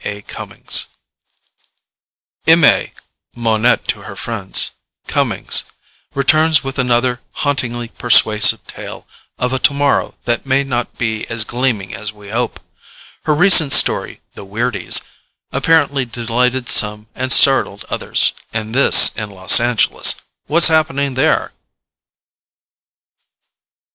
A. Cummings (Monette to her friends) returns with another hauntingly persuasive story of a Tomorrow that may not be as gleaming as we hope. Her recent story, THE WEIRDIES, apparently delighted some and startled others and this in Los Angeles! What's happening there?_ no pets allowed _by M. A.